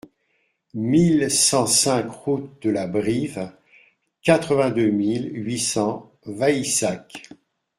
mille cent cinq route de la Brive, quatre-vingt-deux mille huit cents Vaïssac